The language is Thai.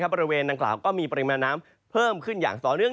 บริเวณดังกล่าวก็มีปริมาณน้ำเพิ่มขึ้นอย่างต่อเนื่อง